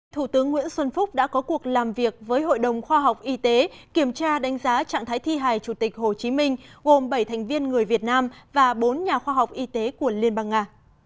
thủ tướng nguyễn xuân phúc đã có cuộc làm việc với hội đồng khoa học y tế kiểm tra đánh giá trạng thái thi hài chủ tịch hồ chí minh gồm bảy thành viên người việt nam và bốn nhà khoa học y tế của liên bang nga